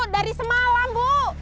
dari semalam bu